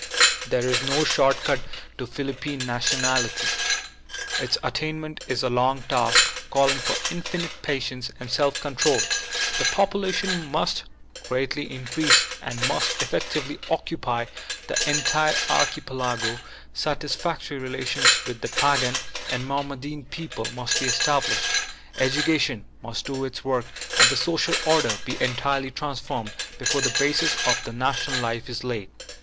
There is no short cut to Philippine Nationality. Its attainment is a long task, calling for infinite patience and self control. The population' must greatly increase and must effectively occupy the entire archipelago, satisfac f tory relations with the Pagan and Mohammedan peoples'^ must be established, education must do its work, and the social order be entirely transformed, before the basis of national life is laid.